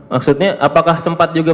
maksudnya apakah sempat juga